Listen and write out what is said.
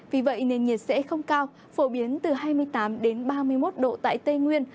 vì vậy nền nhiệt sẽ không cao phổ biến từ hai mươi tám ba mươi một độ tại tây nguyên